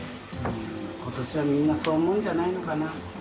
今年はみんなそう思うんじゃないのかな。